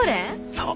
そう。